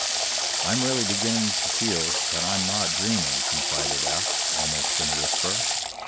"I'm really beginning to feel that I'm not dreaming," confided Eph, almost in a whisper.